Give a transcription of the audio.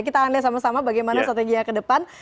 kita akan lihat sama sama bagaimana strategi yang kedepan